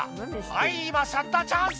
「はい今シャッターチャンス」